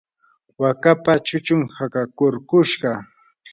wakapa chuchun hakakurkushqa.